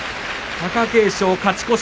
貴景勝、勝ち越し。